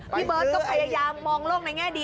พี่เบิร์ตก็พยายามมองโลกในแง่ดี